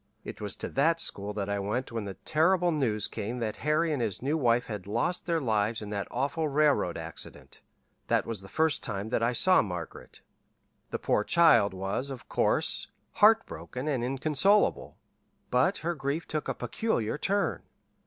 It was to that school that I went when the terrible news came that Harry and his new wife had lost their lives in that awful railroad accident. That was the first time that I saw Margaret. "The poor child was, of course, heartbroken and inconsolable; but her grief took a peculiar turn.